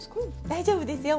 大丈夫ですよ。